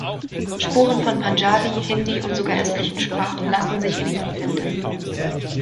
Spuren von Panjabi, Hindi und sogar östlichen Sprachen lassen sich in ihnen finden.